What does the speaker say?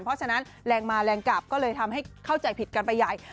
เพราะฉะนั้นแรงมาแรงกลับก็เลยทำให้เข้าใจผิดกันไปใหญ่